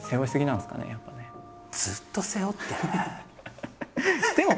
ずっと背負ってるね。